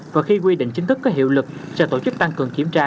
và khi quy định chính thức có hiệu lực sẽ tổ chức tăng cường kiểm tra